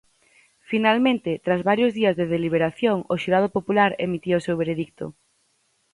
Finalmente, tras varios días de deliberación, o xurado popular emitía o seu veredicto.